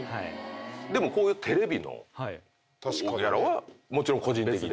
でもこういうテレビのギャラはもちろん個人的に？